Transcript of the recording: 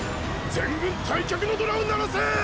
全軍退却のドラを鳴らせぇーい！！